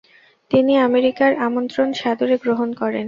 তিনি আমেরিকার আমন্ত্রণ সাদরে গ্রহণ করেন ।